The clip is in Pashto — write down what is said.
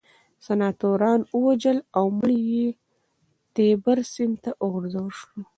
سناتورانو ووژل او مړی یې تیبر سیند ته وغورځول شو